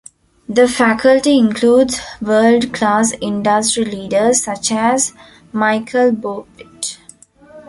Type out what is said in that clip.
The faculty includes world-class industry leaders such as Michel Bouvet.